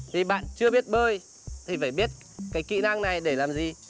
thì bạn chưa biết bơi thì phải biết cái kỹ năng này để làm gì